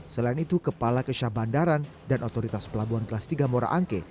selain itu kepala kesyah bandaran dan otoritas pelabuhan kelas tiga mora angke